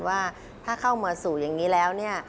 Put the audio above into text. ว่าถ้าเข้ามาสู่อย่างนี้แล้วเนี่ย